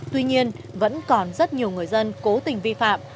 tuy nhiên vẫn còn rất nhiều người dân cố tình vi phạm